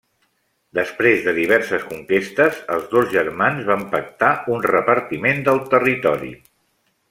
Després de diverses conquestes els dos germans van pactar un repartiment del territori.